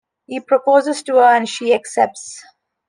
He proposes to her and she accepts.